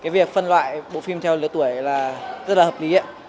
việc phân loại bộ phim theo lứa tuổi là rất là hợp lý